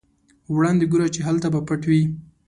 وړاندې ګوره چې هلته به پټ وي.